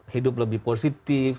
hidup lebih positif